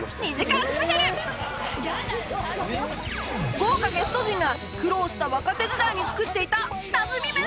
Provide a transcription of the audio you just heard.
豪華ゲスト陣が苦労した若手時代に作っていた下積みメシを再現